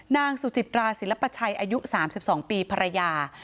นางสุจิตราศิลปชัยอายุ๓๒ปีภรรยา